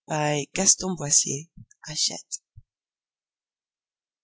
By Gaston Boissier. (Hachette.)